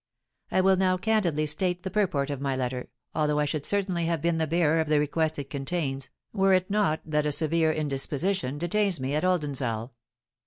"I will now candidly state the purport of my letter, although I should certainly have been the bearer of the request it contains, were it not that a severe indisposition detains me at Oldenzaal.